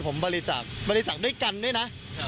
ผมบริจาคบริจาคด้วยกันด้วยนะ